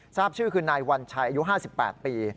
ทราบชื่อคือนายวัญชัยอายุ๕๘ปี